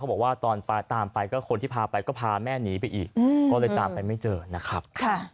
บอกว่าตอนตามไปก็คนที่พาไปก็พาแม่หนีไปอีกก็เลยตามไปไม่เจอนะครับ